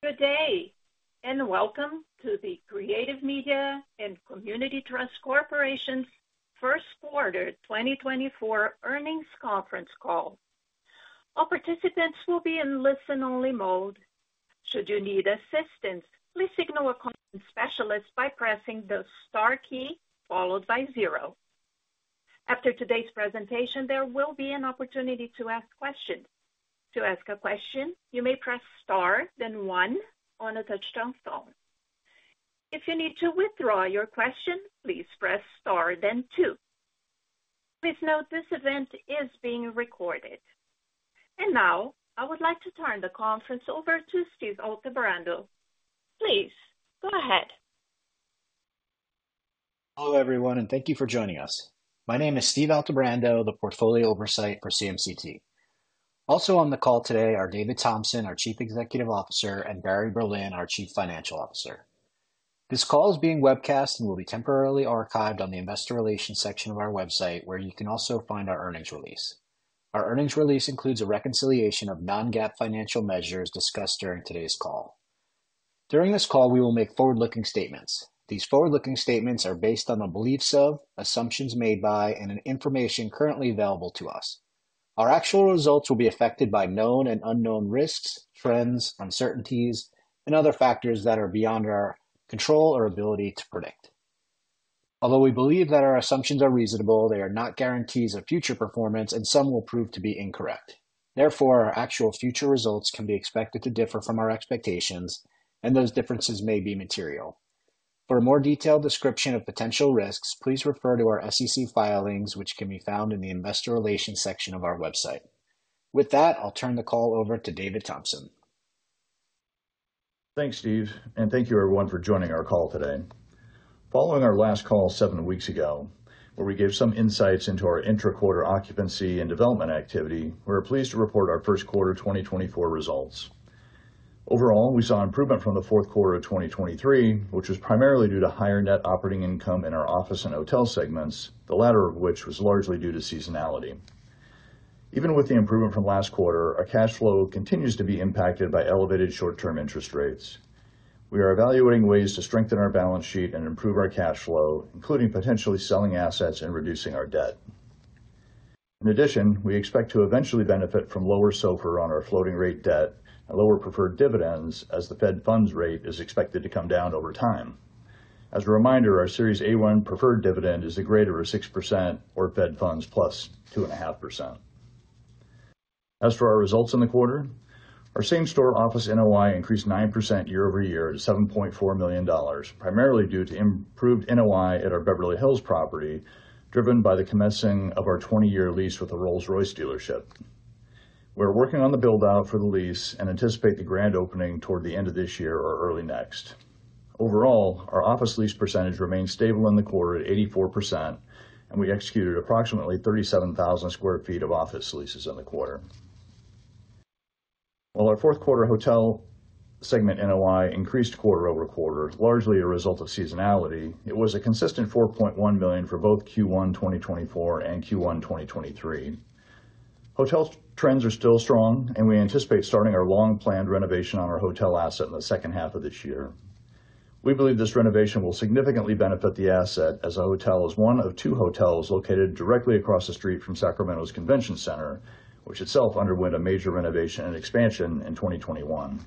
Good day, and welcome to the Creative Media & Community Trust Corporation's First Quarter 2024 Earnings Conference Call. All participants will be in listen-only mode. Should you need assistance, please signal a conference specialist by pressing the Star key, followed by zero. After today's presentation, there will be an opportunity to ask questions. To ask a question, you may press Star, then one on a touchtone phone. If you need to withdraw your question, please press Star, then two. Please note, this event is being recorded. And now, I would like to turn the conference over to Steve Altebrando. Please go ahead. Hello, everyone, and thank you for joining us. My name is Steve Altebrando, the Portfolio Oversight for CMCT. Also on the call today are David Thompson, our Chief Executive Officer, and Barry Berlin, our Chief Financial Officer. This call is being webcast and will be temporarily archived on the Investor Relations section of our website, where you can also find our earnings release. Our earnings release includes a reconciliation of non-GAAP financial measures discussed during today's call. During this call, we will make forward-looking statements. These forward-looking statements are based on the beliefs of, assumptions made by, and an information currently available to us. Our actual results will be affected by known and unknown risks, trends, uncertainties, and other factors that are beyond our control or ability to predict. Although we believe that our assumptions are reasonable, they are not guarantees of future performance, and some will prove to be incorrect. Therefore, our actual future results can be expected to differ from our expectations, and those differences may be material. For a more detailed description of potential risks, please refer to our SEC filings, which can be found in the Investor Relations section of our website. With that, I'll turn the call over to David Thompson. Thanks, Steve, and thank you everyone for joining our call today. Following our last call 7 weeks ago, where we gave some insights into our intra-quarter occupancy and development activity, we are pleased to report our first quarter 2024 results. Overall, we saw an improvement from the fourth quarter of 2023, which was primarily due to higher net operating income in our office and hotel segments, the latter of which was largely due to seasonality. Even with the improvement from last quarter, our cash flow continues to be impacted by elevated short-term interest rates. We are evaluating ways to strengthen our balance sheet and improve our cash flow, including potentially selling assets and reducing our debt. In addition, we expect to eventually benefit from lower SOFR on our floating rate debt and lower preferred dividends as the Fed Funds Rate is expected to come down over time. As a reminder, our Series A-1 preferred dividend is the greater of 6% or Fed Funds +2.5%. As for our results in the quarter, our same-store office NOI increased 9% year-over-year to $7.4 million, primarily due to improved NOI at our Beverly Hills property, driven by the commencing of our 20-year lease with the Rolls-Royce dealership. We're working on the build-out for the lease and anticipate the grand opening toward the end of this year or early next. Overall, our office lease percentage remained stable in the quarter at 84%, and we executed approximately 37,000 sq ft of office leases in the quarter. While our fourth quarter hotel segment NOI increased quarter-over-quarter, largely a result of seasonality, it was a consistent $4.1 million for both Q1 2024 and Q1 2023. Hotel trends are still strong, and we anticipate starting our long-planned renovation on our hotel asset in the second half of this year. We believe this renovation will significantly benefit the asset as our hotel is one of two hotels located directly across the street from Sacramento's Convention Center, which itself underwent a major renovation and expansion in 2021.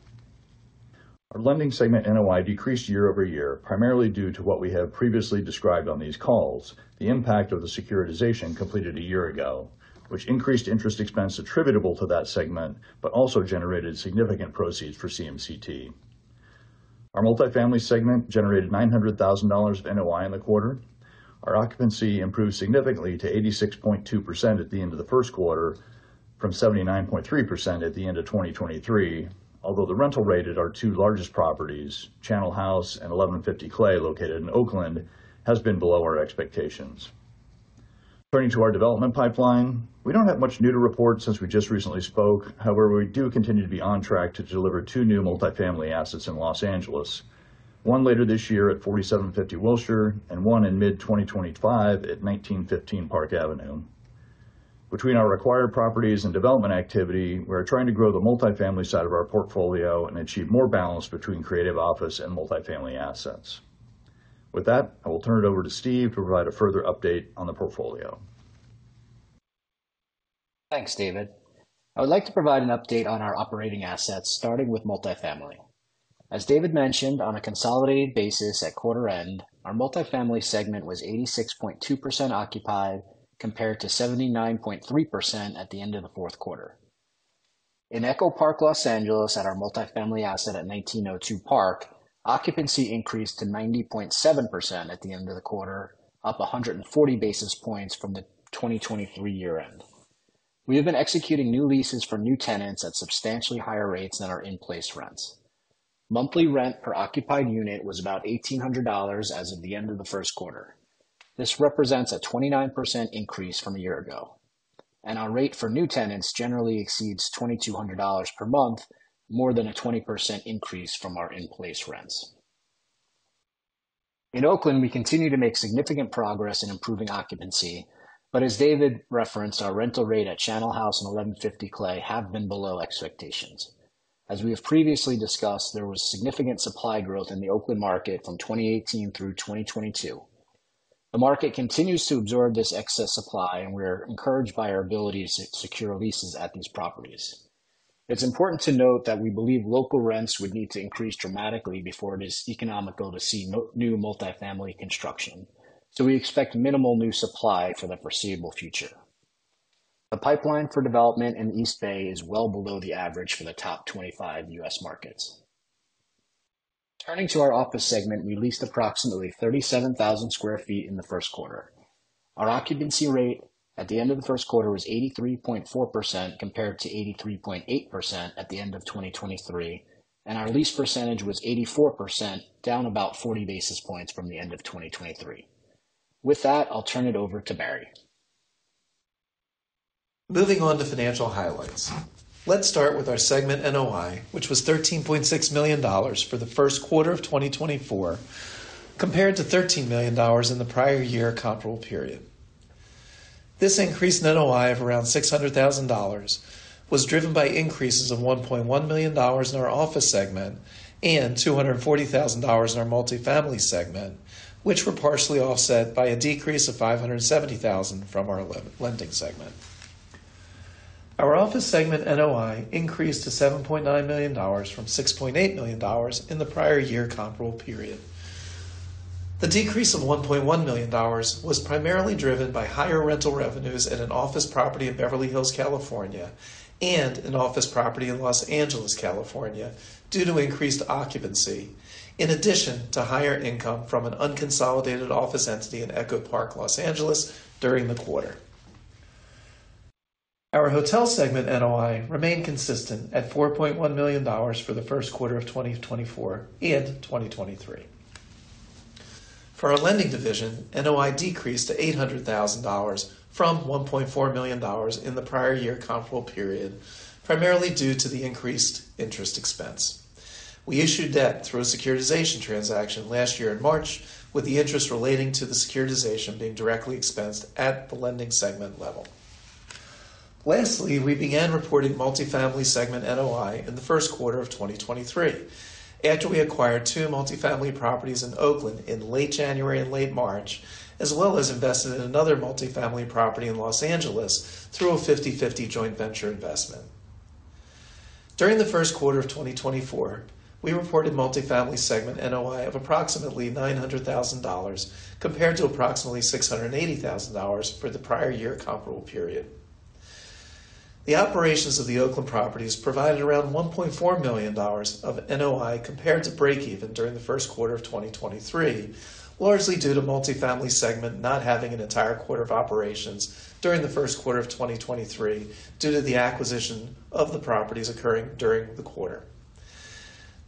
Our lending segment NOI decreased year-over-year, primarily due to what we have previously described on these calls, the impact of the securitization completed a year ago, which increased interest expense attributable to that segment, but also generated significant proceeds for CMCT. Our multifamily segment generated $900,000 of NOI in the quarter. Our occupancy improved significantly to 86.2% at the end of the first quarter from 79.3% at the end of 2023. Although the rental rate at our two largest properties, Channel House and 1150 Clay, located in Oakland, has been below our expectations. Turning to our development pipeline, we don't have much new to report since we just recently spoke. However, we do continue to be on track to deliver two new multifamily assets in Los Angeles, one later this year at 4750 Wilshire and one in mid-2025 at 1915 Park Avenue. Between our acquired properties and development activity, we're trying to grow the multifamily side of our portfolio and achieve more balance between creative office and multifamily assets. With that, I will turn it over to Steve to provide a further update on the portfolio. Thanks, David. I would like to provide an update on our operating assets, starting with multifamily. As David mentioned, on a consolidated basis at quarter end, our multifamily segment was 86.2% occupied, compared to 79.3% at the end of the fourth quarter. In Echo Park, Los Angeles, at our multifamily asset at 1902 Park, occupancy increased to 90.7% at the end of the quarter, up 140 basis points from the 2023 year end. We have been executing new leases for new tenants at substantially higher rates than our in-place rents. Monthly rent per occupied unit was about $1,800 as of the end of the first quarter. This represents a 29% increase from a year ago, and our rate for new tenants generally exceeds $2,200 per month, more than a 20% increase from our in-place rents. In Oakland, we continue to make significant progress in improving occupancy. But as David referenced, our rental rate at Channel House and 1150 Clay have been below expectations. As we have previously discussed, there was significant supply growth in the Oakland market from 2018 through 2022. The market continues to absorb this excess supply, and we're encouraged by our ability to secure leases at these properties. It's important to note that we believe local rents would need to increase dramatically before it is economical to see no new multifamily construction. So we expect minimal new supply for the foreseeable future. The pipeline for development in East Bay is well below the average for the top 25 U.S. markets. Turning to our office segment, we leased approximately 37,000 sq ft in the first quarter. Our occupancy rate at the end of the first quarter was 83.4%, compared to 83.8% at the end of 2023, and our lease percentage was 84%, down about 40 basis points from the end of 2023. With that, I'll turn it over to Barry. Moving on to financial highlights. Let's start with our segment NOI, which was $13.6 million for the first quarter of 2024, compared to $13 million in the prior year comparable period. This increased NOI of around $600,000 was driven by increases of $1.1 million in our office segment and $240,000 in our multifamily segment, which were partially offset by a decrease of $570,000 from our lending segment. Our office segment NOI increased to $7.9 million from $6.8 million in the prior year comparable period. The decrease of $1.1 million was primarily driven by higher rental revenues at an office property in Beverly Hills, California, and an office property in Los Angeles, California, due to increased occupancy, in addition to higher income from an unconsolidated office entity in Echo Park, Los Angeles, during the quarter. Our hotel segment NOI remained consistent at $4.1 million for the first quarter of 2024 and 2023. For our lending division, NOI decreased to $800,000 from $1.4 million in the prior year comparable period, primarily due to the increased interest expense. We issued debt through a securitization transaction last year in March, with the interest relating to the securitization being directly expensed at the lending segment level. Lastly, we began reporting multifamily segment NOI in the first quarter of 2023, after we acquired two multifamily properties in Oakland in late January and late March, as well as invested in another multifamily property in Los Angeles through a 50/50 joint venture investment. During the first quarter of 2024, we reported multifamily segment NOI of approximately $900,000, compared to approximately $680,000 for the prior year comparable period. The operations of the Oakland properties provided around $1.4 million of NOI compared to breakeven during the first quarter of 2023, largely due to multifamily segment not having an entire quarter of operations during the first quarter of 2023, due to the acquisition of the properties occurring during the quarter.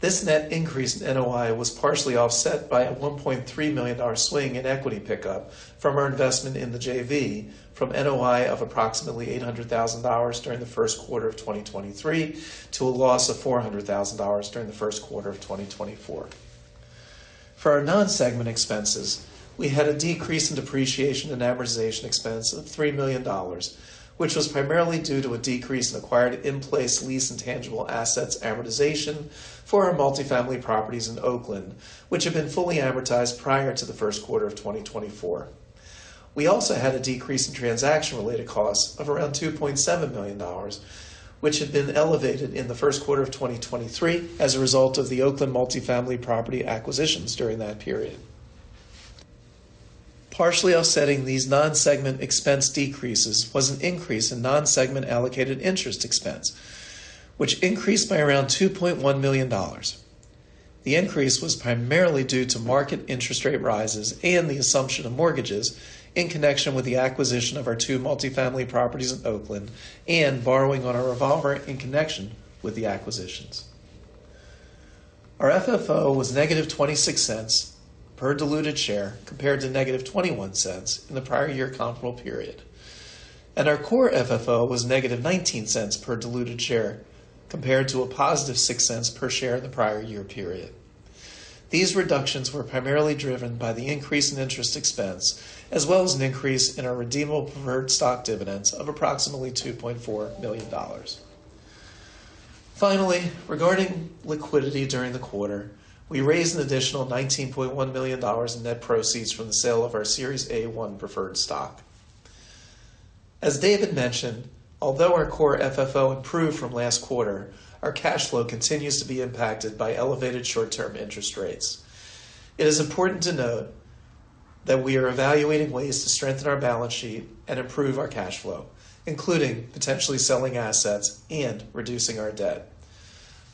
This net increase in NOI was partially offset by a $1.3 million swing in equity pickup from our investment in the JV, from NOI of approximately $800,000 during the first quarter of 2023, to a loss of $400,000 during the first quarter of 2024. For our non-segment expenses, we had a decrease in depreciation and amortization expense of $3 million, which was primarily due to a decrease in acquired in-place lease and tangible assets amortization for our multifamily properties in Oakland, which had been fully amortized prior to the first quarter of 2024. We also had a decrease in transaction-related costs of around $2.7 million, which had been elevated in the first quarter of 2023 as a result of the Oakland multifamily property acquisitions during that period. Partially offsetting these non-segment expense decreases was an increase in non-segment allocated interest expense, which increased by around $2.1 million. The increase was primarily due to market interest rate rises and the assumption of mortgages in connection with the acquisition of our two multifamily properties in Oakland and borrowing on our revolver in connection with the acquisitions. Our FFO was -$0.26 per diluted share, compared to -$0.21 in the prior year comparable period, and our core FFO was -$0.19 per diluted share, compared to +$0.06 per share in the prior year period. These reductions were primarily driven by the increase in interest expense, as well as an increase in our redeemable preferred stock dividends of approximately $2.4 million. Finally, regarding liquidity during the quarter, we raised an additional $19.1 million in net proceeds from the sale of our Series A-1 preferred stock. As David mentioned, although our Core FFO improved from last quarter, our cash flow continues to be impacted by elevated short-term interest rates. It is important to note that we are evaluating ways to strengthen our balance sheet and improve our cash flow, including potentially selling assets and reducing our debt.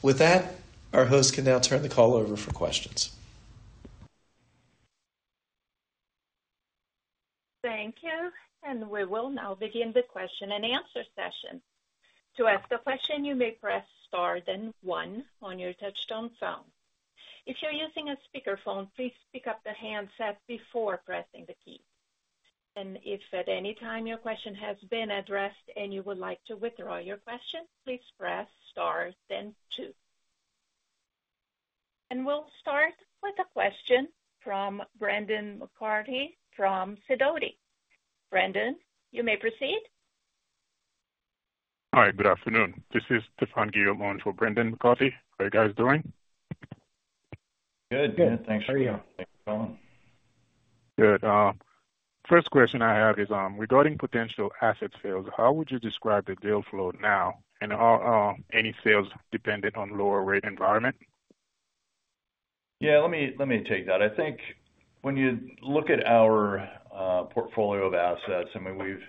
With that, our host can now turn the call over for questions. Thank you, and we will now begin the question and answer session. To ask a question, you may press star then one on your touch-tone phone. If you're using a speakerphone, please pick up the handset before pressing the key. And if at any time your question has been addressed and you would like to withdraw your question, please press star, then two. And we'll start with a question from Brendan McCarthy from Sidoti. Brendan, you may proceed. Hi, good afternoon. This is [Stephen Gill] on for Brendan McCarthy. How are you guys doing? Good. Good. Thanks for calling. How are you? Good. First question I have is, regarding potential asset sales. How would you describe the deal flow now, and are any sales dependent on lower rate environment? Yeah, let me take that. I think when you look at our portfolio of assets, I mean, we've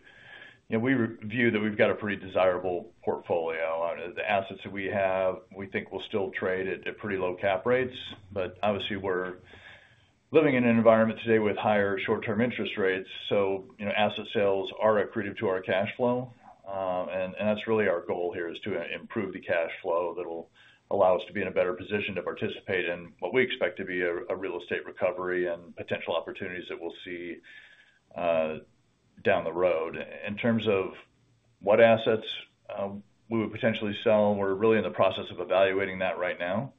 you know, we view that we've got a pretty desirable portfolio. The assets that we have, we think will still trade at pretty low cap rates. But obviously we're living in an environment today with higher short-term interest rates, so, you know, asset sales are accretive to our cash flow. And that's really our goal here, is to improve the cash flow that'll allow us to be in a better position to participate in what we expect to be a real estate recovery and potential opportunities that we'll see down the road. In terms of what assets we would potentially sell, we're really in the process of evaluating that right now,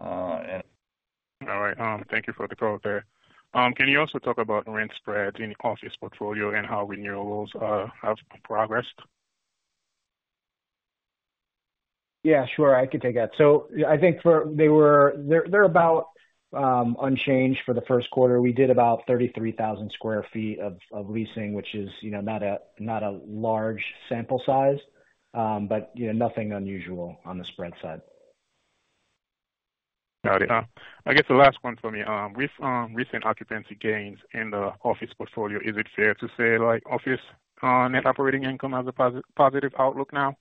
and- All right, thank you for the call there. Can you also talk about rent spreads in the office portfolio and how renewals have progressed? Yeah, sure, I can take that. So I think for... They're about unchanged for the first quarter. We did about 33,000 sq ft of leasing, which is, you know, not a large sample size, but, you know, nothing unusual on the spread side. Got it. I guess the last one for me. With recent occupancy gains in the office portfolio, is it fair to say, like, office net operating income has a positive outlook now?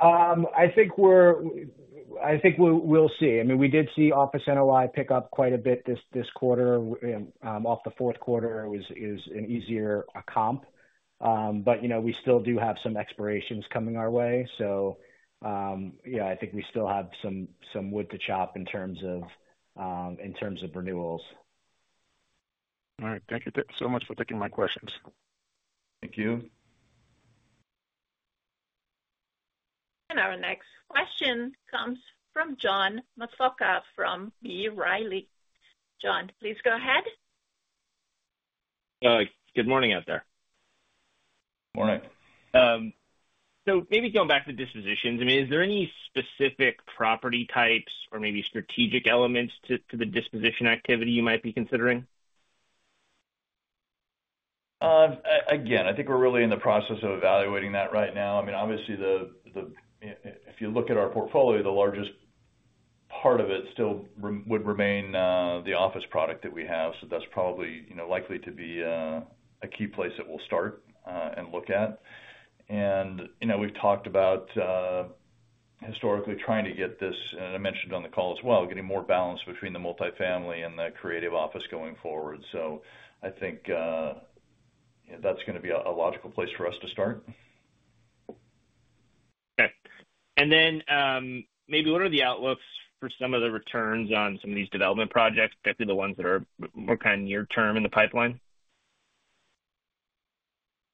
I think we'll see. I mean, we did see office NOI pick up quite a bit this quarter. Off the fourth quarter is an easier comp. But, you know, we still do have some expirations coming our way, so, yeah, I think we still have some wood to chop in terms of renewals. All right. Thank you so much for taking my questions. Thank you. Our next question comes from John Massocca from B. Riley. John, please go ahead. Good morning out there. Morning. Maybe going back to dispositions. I mean, is there any specific property types or maybe strategic elements to the disposition activity you might be considering? Again, I think we're really in the process of evaluating that right now. I mean, obviously. If you look at our portfolio, the largest part of it still would remain the office product that we have. So that's probably, you know, likely to be a key place that we'll start and look at. You know, we've talked about historically trying to get this, and I mentioned on the call as well, getting more balance between the multifamily and the creative office going forward. I think that's gonna be a logical place for us to start. Okay. And then, maybe what are the outlooks for some of the returns on some of these development projects, particularly the ones that are more kind of near term in the pipeline?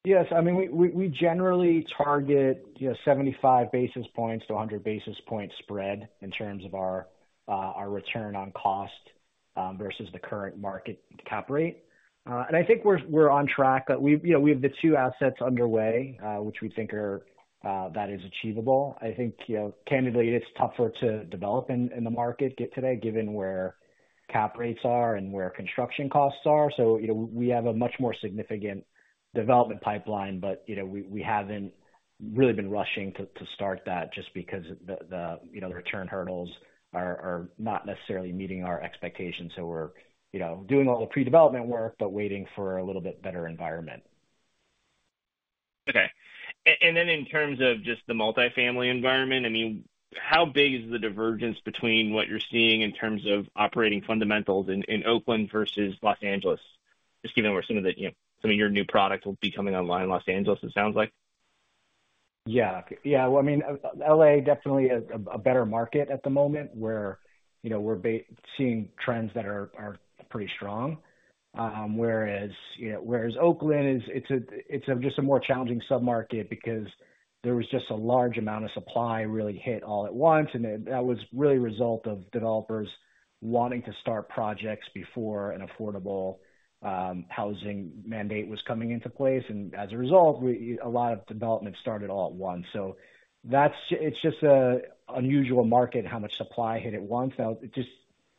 Yes, I mean, we generally target, you know, 75 basis points to a 100 basis point spread in terms of our return on cost versus the current market cap rate. And I think we're on track. But we, you know, we have the two assets underway, which we think are that is achievable. I think, you know, candidly, it's tougher to develop in the market today, given where cap rates are and where construction costs are. So, you know, we have a much more significant development pipeline, but, you know, we haven't really been rushing to start that just because the, you know, the return hurdles are not necessarily meeting our expectations. So we're, you know, doing all the pre-development work, but waiting for a little bit better environment. Okay. And then in terms of just the multifamily environment, I mean, how big is the divergence between what you're seeing in terms of operating fundamentals in Oakland versus Los Angeles? Just given where some of the, you know, some of your new products will be coming online in Los Angeles, it sounds like. Yeah. Yeah, well, I mean, L.A. definitely is a better market at the moment, where, you know, we're seeing trends that are pretty strong. Whereas, you know, Oakland is, it's just a more challenging submarket because there was just a large amount of supply really hit all at once, and that was really a result of developers wanting to start projects before an affordable housing mandate was coming into place. And as a result, a lot of development started all at once. So that's just an unusual market, how much supply hit at once.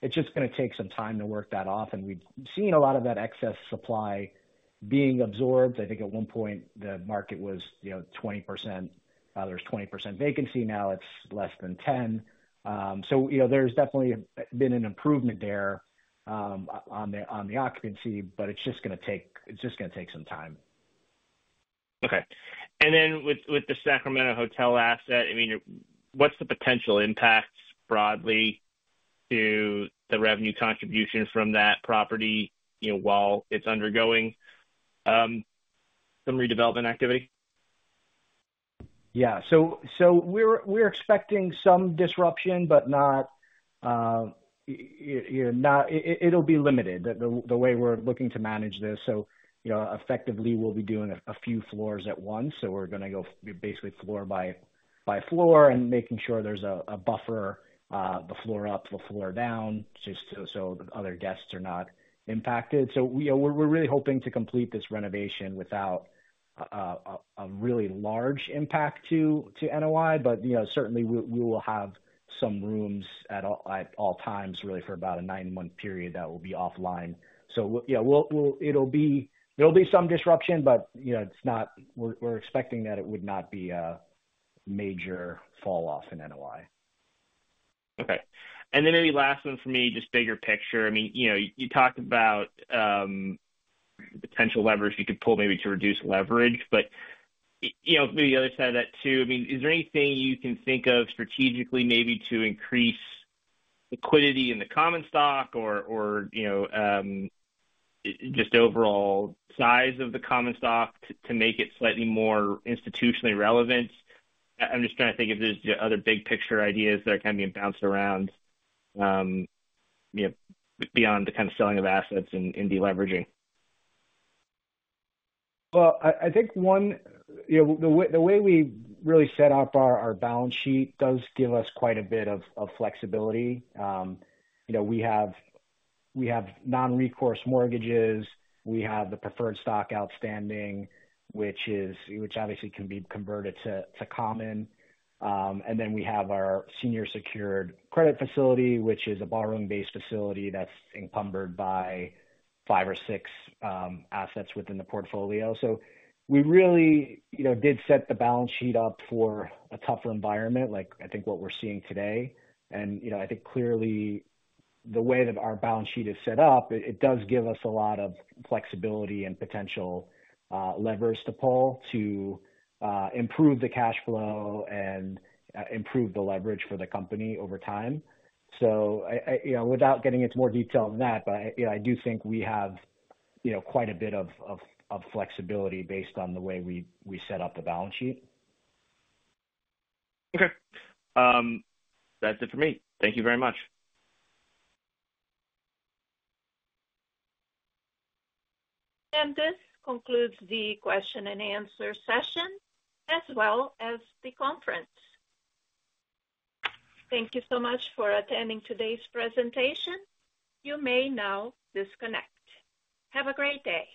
It's just gonna take some time to work that off, and we've seen a lot of that excess supply being absorbed. I think at one point, the market was, you know, 20%... There was 20% vacancy, now it's less than 10%. So you know, there's definitely been an improvement there on the occupancy, but it's just gonna take some time. Okay. And then with the Sacramento Hotel asset, I mean, what's the potential impacts broadly to the revenue contribution from that property, you know, while it's undergoing some redevelopment activity?... Yeah. So we're expecting some disruption, but not, you know, it, it'll be limited, the way we're looking to manage this. So, you know, effectively, we'll be doing a few floors at once. So we're gonna go basically floor by floor and making sure there's a buffer, the floor up, the floor down, just so other guests are not impacted. So we're really hoping to complete this renovation without a really large impact to NOI. But, you know, certainly, we will have some rooms at all times, really, for about a nine-month period that will be offline. So, yeah, we'll -- it'll be... There'll be some disruption, but, you know, it's not-- we're expecting that it would not be a major falloff in NOI. Okay. And then maybe last one for me, just bigger picture. I mean, you know, you talked about potential levers you could pull maybe to reduce leverage, but, you know, maybe the other side of that, too. I mean, is there anything you can think of strategically, maybe to increase liquidity in the common stock or, or, you know, just overall size of the common stock to, to make it slightly more institutionally relevant? I'm just trying to think if there's other big picture ideas that are kind of being bounced around, you know, beyond the kind of selling of assets and, and deleveraging. Well, I think, you know, the way, the way we really set up our balance sheet does give us quite a bit of flexibility. You know, we have non-recourse mortgages, we have the preferred stock outstanding, which obviously can be converted to common. And then we have our senior secured credit facility, which is a borrowing-based facility that's encumbered by 5 or 6 assets within the portfolio. So we really, you know, did set the balance sheet up for a tougher environment, like I think what we're seeing today. And, you know, I think clearly the way that our balance sheet is set up, it does give us a lot of flexibility and potential levers to pull, to improve the cash flow and improve the leverage for the company over time. So I... You know, without getting into more detail than that, but, you know, I do think we have, you know, quite a bit of flexibility based on the way we set up the balance sheet. Okay. That's it for me. Thank you very much. And this concludes the question and answer session as well as the conference. Thank you so much for attending today's presentation. You may now disconnect. Have a great day.